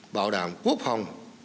bảo đảm quốc phòng